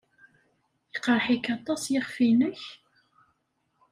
Iqerreḥ-ik aṭas yiɣef-nnek?